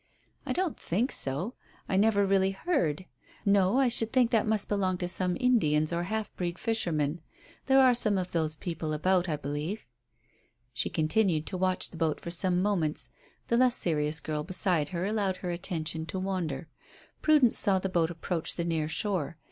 "I don't think so. I never really heard. No; I should think that must belong to some Indians or half breed fishermen. There are some of those people about, I believe." She continued to watch the boat for some moments. The less serious girl beside her allowed her attention to wander. Prudence saw the boat approach the near shore.